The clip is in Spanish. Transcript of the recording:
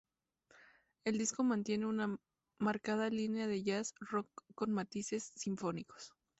El disco mantiene una marcada línea de Jazz rock con matices sinfónicos.